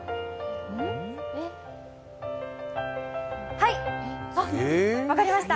はい、分かりました！